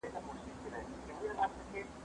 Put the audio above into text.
زه پرون لوښي وچوم وم!